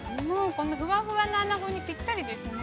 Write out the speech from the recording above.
◆このふわふわのアナゴにぴったりですね。